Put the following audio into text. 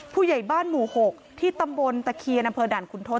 ผู้ใหญ่บ้านหมู่๖ที่ตำบลตะเคียนอำเภอด่านขุนทศ